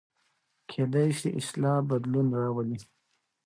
کېدای سي اصلاح بدلون راولي.